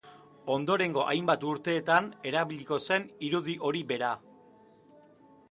Ondorengo hainbat urteetan erabiliko zen irudi hori bera.